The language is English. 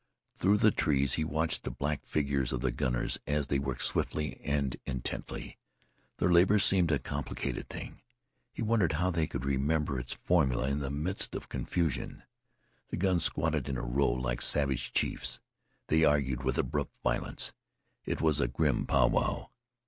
Through the trees he watched the black figures of the gunners as they worked swiftly and intently. Their labor seemed a complicated thing. He wondered how they could remember its formula in the midst of confusion. The guns squatted in a row like savage chiefs. They argued with abrupt violence. It was a grim pow wow.